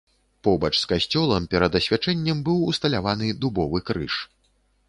Побач з касцёлам перад асвячэннем быў усталяваны дубовы крыж.